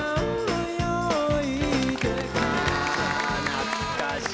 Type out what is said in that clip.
懐かしい。